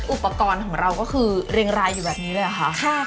อุปกรณ์ของเราก็คือเรียงรายอยู่แบบนี้เลยเหรอคะ